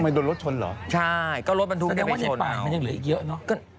ไม่โดนรถชนเหรอแสดงว่าไม่เปล่ามันยังเหลืออีกเยอะเนอะ